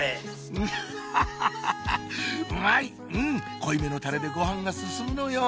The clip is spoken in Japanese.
濃いめのタレでご飯が進むのよ！